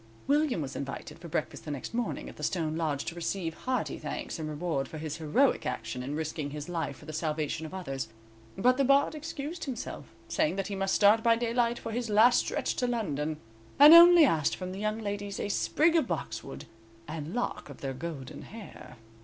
William was invited for breakfast the next morning at the stone lodge to receive hearty thanks and reward for his heroic action in risking his life for the salvation of others; but the Bard excused himself, saying that he must start by daylight for his last stretch to London, and only asked from the young ladies a sprig of boxwood and lock of their golden hair.